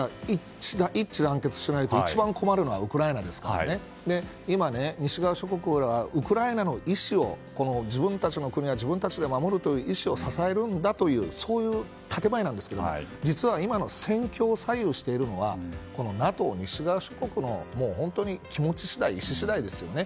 一致団結しないと困るのはウクライナですから今、西側諸国は、ウクライナの自分たちの国は自分たちで守るという意思を支えるんだというそういう建前ですけど今の戦況を左右しているのはＮＡＴＯ、西側諸国の気持ち、意思次第ですよね。